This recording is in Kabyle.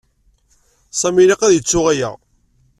Sami ilaq ad yettu aya.